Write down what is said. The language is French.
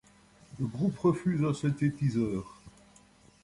Le groupe refuse un synthétiseur.